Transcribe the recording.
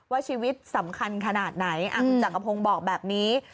ว่าชีวิตสำคัญขนาดไหนอ่าจังกระโพงบอกแบบนี้